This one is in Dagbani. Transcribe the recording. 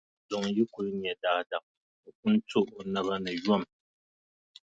Kunduŋ yi kuli nya daadam, o pun to o naba ni yom.